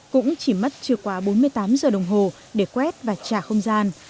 cũng chỉ mất chưa quá bốn mươi tám giờ đồng hồ để quét và trả không gian